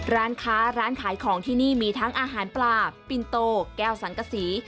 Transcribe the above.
ร้านค้าร้านขายของที่นี่มีทั้งอาหารปลาปินโตแก้วสังกษี